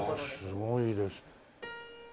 すごいです。